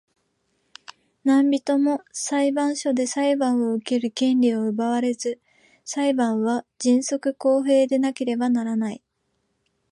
何人（なんびと）も裁判所で裁判を受ける権利を奪われず、裁判は迅速公平でなければならない。